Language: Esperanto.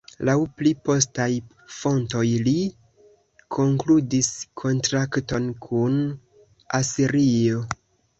Laŭ pli postaj fontoj li konkludis kontrakton kun Asirio.